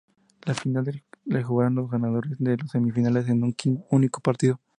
La final la jugarán los ganadores de las semifinales en un único partido.